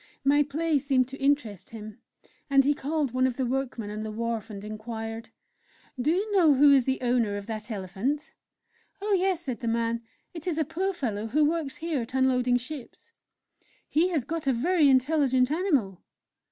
My play seemed to interest him, and he called one of the workmen on the wharf, and inquired: "Do you know who is the owner of that elephant?" "Oh, yes," said the man, "it is a poor fellow who works here at unloading ships." "He has got a very intelligent animal!"